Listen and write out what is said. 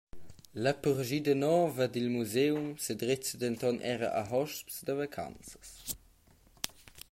La purschida nova dil museum sedrezza denton era a hosps da vacanzas.